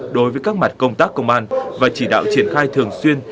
đối với các mặt công tác công an và chỉ đạo triển khai thường xuyên